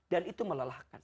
dan itu melelahkan